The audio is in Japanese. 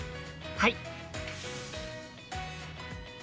はい。